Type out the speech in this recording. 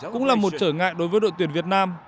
cũng là một trở ngại đối với đội tuyển việt nam